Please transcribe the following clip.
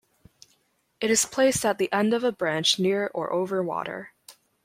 It is placed at the end of a branch near or over water.